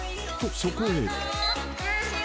［とそこへ］